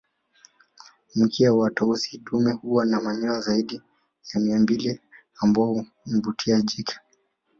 Mkia wa Tausi dume huwa na manyoya zaidi ya mia mbili ambayo humvutia jike